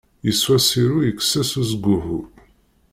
Yeswa Sirru yekkes-as usguḥḥu.